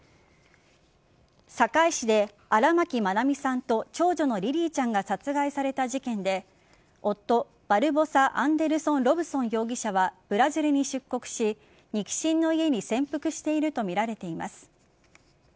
堺市で荒牧愛美さんと長女のリリィちゃんが殺害された事件で夫、バルボサ・アンデルソン・ロブソン容疑者はブラジルに出国し肉親の家に潜伏しているとみられています。